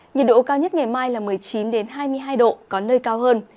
nhiệt độ cao nhất ngày mai là một mươi chín hai mươi hai độ có nơi cao hơn